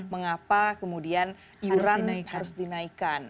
mengapa kemudian iuran harus dinaikkan